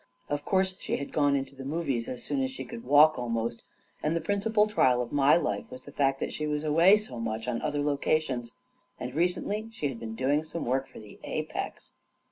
Of course she had gone into the movies as soon as she could walk, almost; and the principal trial of my life was the fact that she was away so much, on other loca tions; and recently, she had been doing some work for the Apex